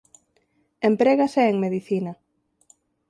Emprégase en medicina.